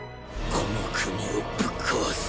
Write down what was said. この国をぶっ壊す！